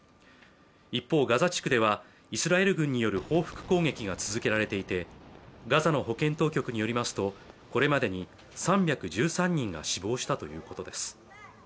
一方ガザ地区ではイスラエル軍による報復攻撃が続けられていてガザの保健当局によりますとこれまでに３１３人が死亡したということです